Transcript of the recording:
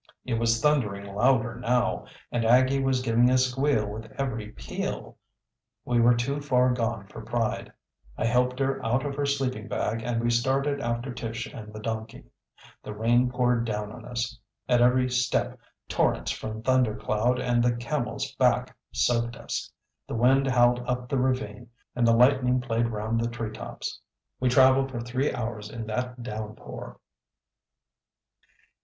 It was thundering louder now, and Aggie was giving a squeal with every peal. We were too far gone for pride. I helped her out of her sleeping bag and we started after Tish and the donkey. The rain poured down on us. At every step torrents from Thunder Cloud and the Camel's Back soaked us. The wind howled up the ravine and the lightning played round the treetops. We traveled for three hours in that downpour.